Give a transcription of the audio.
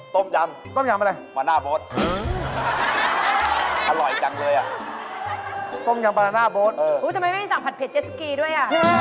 ทำไมไม่มีสั่งผัดเผ็ดเจ๊สุกีด้วย